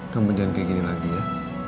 kamu jangan kayak gini lagi ya